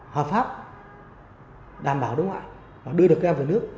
hợp pháp đảm bảo đối ngoại và đưa được các em về nước